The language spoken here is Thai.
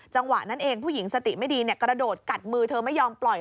จังหวะนั้นเองผู้หญิงสติไม่ดีกระโดดกัดมือเธอไม่ยอมปล่อย